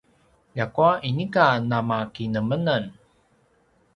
ljakua inika namakinemenem